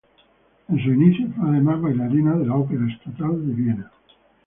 En sus inicios fue, además, bailarina de la Ópera Estatal de Viena.